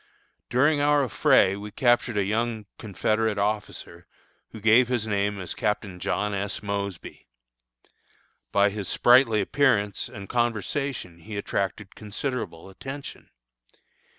During our affray we captured a young Confederate officer, who gave his name as Captain John S. Mosby. By his sprightly appearance and conversation he attracted considerable attention.